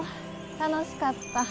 楽しかった。